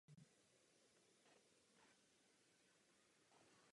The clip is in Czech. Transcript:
Řeka je splavná po celé své délce a je nejdůležitější vodní cestou Dálného východu.